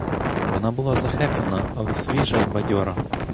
Вона була захекана, але свіжа й бадьора.